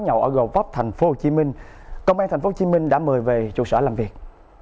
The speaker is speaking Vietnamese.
nhậu ở gầu pháp tp hcm công an tp hcm đã mời về trụ sở làm việc